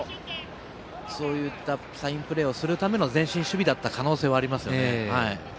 もしかしたらそういったサインプレーをするための前進守備だった可能性はあります。